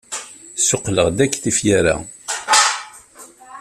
Ssuqqleɣ-d akk tifyar-a.